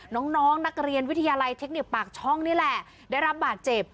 น้องน้องนักเรียนวิทยาลัยเทคนิคปากช่องนี่แหละได้รับบาดเจ็บ